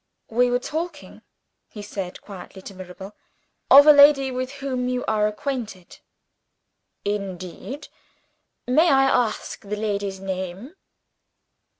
"We were talking," he said quietly to Mirabel, "of a lady with whom you are acquainted." "Indeed! May I ask the lady's name?"